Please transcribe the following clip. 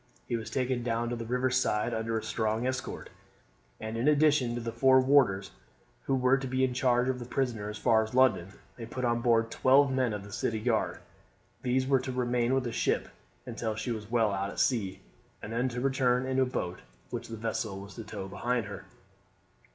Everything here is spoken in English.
He was taken down to the river side under a strong escort, and in addition to the four warders who were to be in charge of the prisoner as far as London, they put on board twelve men of the city guard. These were to remain with the ship until she was well out at sea, and then to return in a boat which the vessel was to tow behind her.